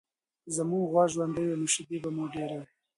که زموږ غوا ژوندۍ وای، نو شیدې به مو ډېرې وای.